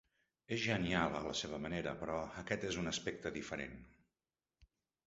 És genial a la seva manera, però aquest és un aspecte diferent.